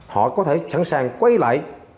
họ có thể sẵn sàng quay lại